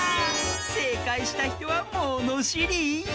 せいかいしたひとはものしり！